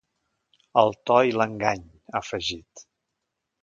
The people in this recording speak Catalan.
El to i l’engany, ha afegit.